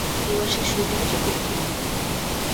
এবার সেই সুরটিকে চোখে দেখিলাম।